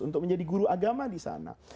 untuk menjadi guru agama di sana